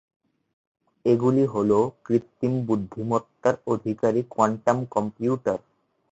এগুলি হল কৃত্রিম বুদ্ধিমত্তার অধিকারী কোয়ান্টাম কম্পিউটার।